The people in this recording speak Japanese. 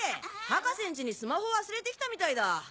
博士ん家にスマホ忘れて来たみたいだ。